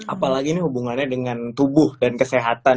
apalagi ini hubungannya dengan tubuh dan kesehatan